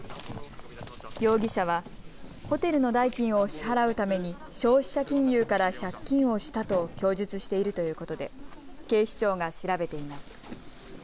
容疑者はホテルの代金を支払うために消費者金融から借金をしたと供述しているということで警視庁が調べています。